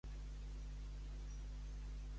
Darrere d'un combregar sempre hi ha una vella.